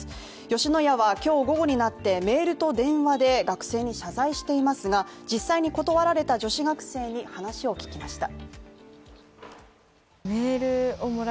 吉野家は今日午後になって、メールと電話で学生に謝罪していますが、実際に断られた女子学生に話を聞きました。